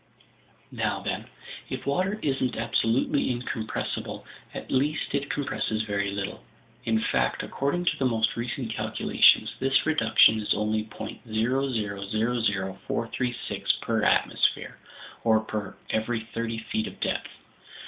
"Now then, if water isn't absolutely incompressible, at least it compresses very little. In fact, according to the most recent calculations, this reduction is only .0000436 per atmosphere, or per every thirty feet of depth.